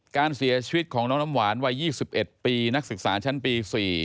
การเสียชีวิตของน้องน้ำหวานวัย๒๑ปีนักศึกษาชั้นปี๔